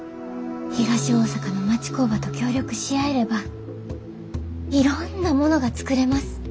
東大阪の町工場と協力し合えればいろんなものが作れます。